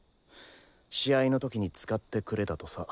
試合の時に使ってくれだとさ。